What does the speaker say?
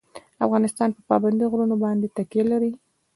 افغانستان په پابندی غرونه باندې تکیه لري.